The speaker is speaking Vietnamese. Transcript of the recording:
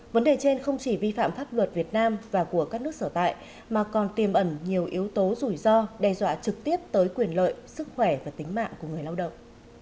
vấn đề trên không chỉ vi phạm pháp luật việt nam và của các nước sở tại mà còn tiềm ẩn nhiều yếu tố rủi ro đe dọa trực tiếp tới quyền lợi sức khỏe và tính mạng của người lao động